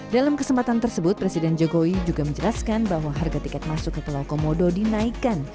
dalam kesempatan tersebut presiden jokowi juga menjelaskan bahwa harga tiket masuk ke pulau komodo dinaikkan